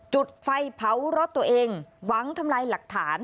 จุดไฟเผารถตัวเองหวังทำลายหลักฐาน